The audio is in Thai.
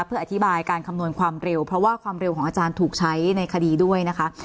เพื่ออธิบายการคำนวณความเร็วเพราะว่าความเร็วของอาจารย์ถูกใช้ในคดีด้วยนะคะ